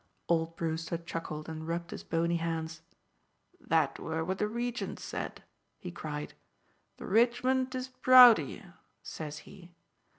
Old Brewster chuckled and rubbed his bony hands. "That were what the Regent said," he cried. "'The ridgment is proud of ye,' says he.